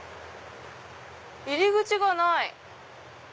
入り口がない！